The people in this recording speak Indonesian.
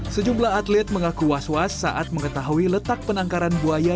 sejumlah atlet mengaku was was saat mengetahui letak penangkaran buaya